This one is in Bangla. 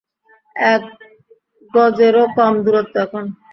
এক গজেরও কম দূরত্ব এখন।